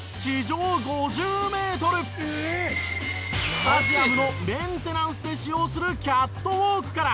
スタジアムのメンテナンスで使用するキャットウォークから！